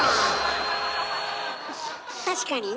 確かにね